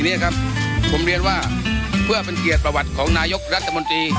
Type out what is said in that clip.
เนี่ยครับผมเรียนว่าเพื่อเป็นเกียรติประวัติของนายกรัฐมนตรี